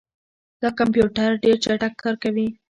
دا کمپیوټر ډېر چټک کار کوي.